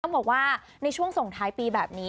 บอกว่าในช่วงส่งท้ายปีแบบนี้